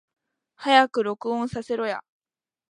早く録音させろや